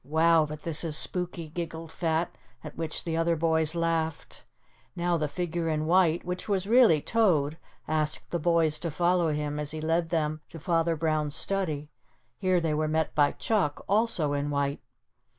"Wow, but this is spooky," giggled Fat, at which the other boys laughed. Now the figure in white, which was really Toad, asked the boys to follow him as he led them to Father Brown's study. Here they were met by Chuck, also in white.